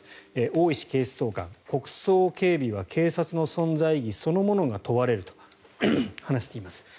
大石警視総監国葬警備は警察の存在意義そのものが問われると話しています。